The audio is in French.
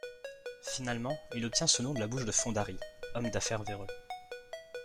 Finalement il obtient ce nom de la bouche de Fondari, homme d'affaires véreux.